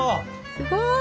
すごい！